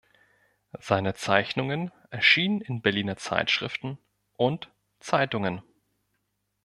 Seine Zeichnungen erschienen in Berliner Zeitschriften und Zeitungen.